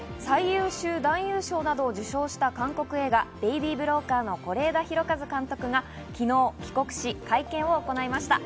カンヌ国際映画祭で最優秀男優賞などを受賞した韓国映画『ベイビー・ブローカー』の是枝裕和監督が昨日帰国し、会見を行いました。